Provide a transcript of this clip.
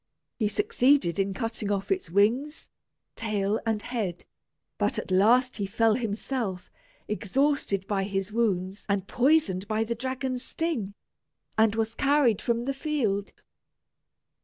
He succeeded in cutting off its wings, tail, and head; but at last he fell himself, exhausted by his wounds and poisoned by the dragon's sting, and was carried from the field.